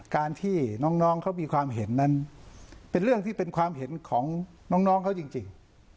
การที่น้องเขามีความเห็นนั้นเป็นเรื่องที่เป็นความเห็นของน้องเขาจริง